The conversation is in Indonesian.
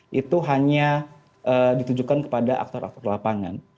ditunjukkan kepada aktor aktor lapangan